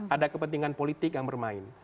ada kepentingan politik yang bermain